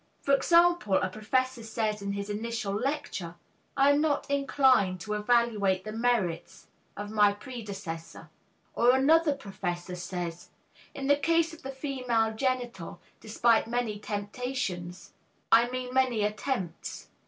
For example, a professor says in his initial lecture, "I am not inclined to evaluate the merits of my predecessor." Or another professor says, "In the case of the female genital, despite many temptations ... I mean many attempts